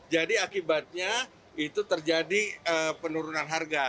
jadi akibatnya itu terjadi penurunan harga